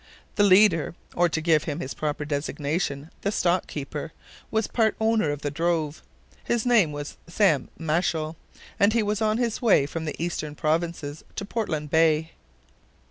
The leader, or to give him his proper designation, the stock keeper, was part owner of the drove. His name was Sam Machell, and he was on his way from the eastern provinces to Portland Bay.